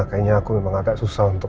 kayaknya aku memang agak susah untuk